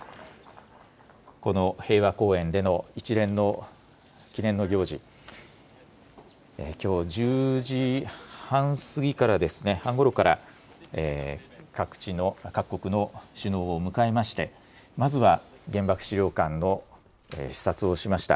この平和公園での一連の記念の行事、きょう１０時半ごろから各国の首脳を迎えましてまずは原爆資料館の視察をしました。